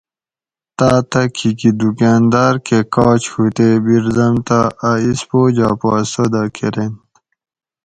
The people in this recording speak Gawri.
تاۤتہ کھیکی دُکاۤنداۤر کہ کاچ ہُو تے بیردم تہ اۤ اِسپوجا پا سودہ کرینت